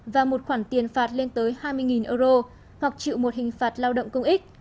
và một khoản tiền phạt lên tới hai mươi euro hoặc chịu một hình phạt lao động công ích